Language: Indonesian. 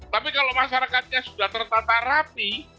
tapi kalau masyarakatnya sudah tertata rapi